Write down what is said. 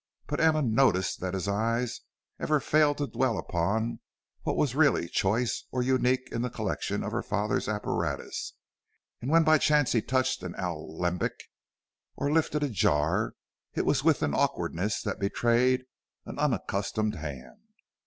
But Emma noticed that his eye ever failed to dwell upon what was really choice or unique in the collection of her father's apparatus, and that when by chance he touched an alembic or lifted a jar, it was with an awkwardness that betrayed an unaccustomed hand.